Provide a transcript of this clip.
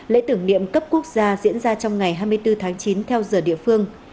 lễ tưởng niệm cấp quốc gia diễn ra trong ngày hai mươi bốn tháng chín theo giờ địa phương